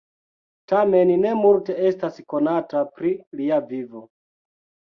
Tamen ne multe estas konata pri lia vivo.